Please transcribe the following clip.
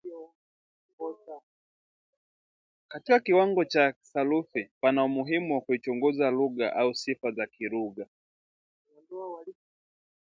Katika kiwango cha kisarufi pana umuhimu wa kuichunguza lugha au sifa za kilugha